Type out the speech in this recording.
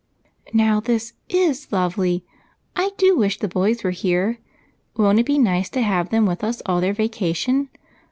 " Now this is lovely ! I do wish the boys were here. Won't it be nice to have them with us all their vacation?